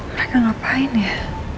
mereka ngapain ya